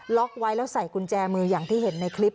ไว้แล้วใส่กุญแจมืออย่างที่เห็นในคลิป